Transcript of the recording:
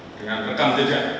dengan rekam saja